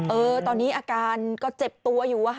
เออตอนนี้อาการเจ็บตัวอยู่